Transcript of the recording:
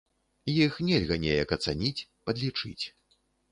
Іх нельга неяк ацаніць, падлічыць.